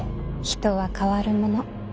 人は変わるもの。